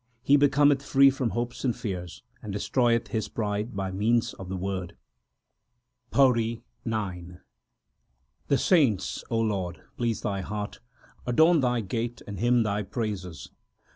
He becometh free from hopes and fears, and destroyeth his pride by means of the Word. PAURI IX The saints, Lord, please Thy heart, adorn Thy gate, and hymn Thy praises.